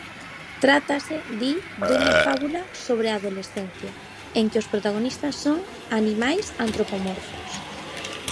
Trátase, di, dunha "fábula sobre a adolescencia" en que os protagonistas son "animais antropomorfos".